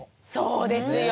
そうですよ。